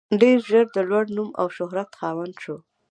ډېر ژر د لوړ نوم او شهرت خاوند شو.